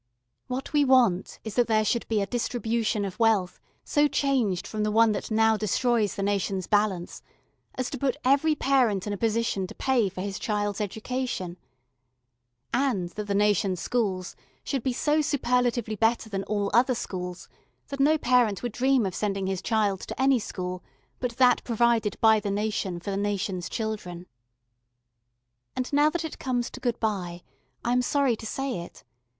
What we want is that there should be a distribution of wealth so changed from the one that now destroys the nation's balance as to put every parent in a position to pay for his child's education, and that the nation's schools should be so superlatively better than all other schools that no parent would dream of sending his child to any school but that provided by the nation for the nation's children. And now that it comes to good bye, I am sorry to say it.